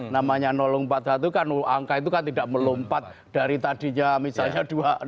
namanya empat puluh satu kan angka itu kan tidak melompat dari tadinya misalnya